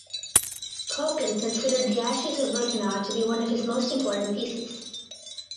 Kochan considered "the Ashes of Birkenau" to be one of his most important pieces.